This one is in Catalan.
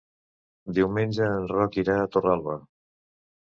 Diumenge en Roc irà a Torralba.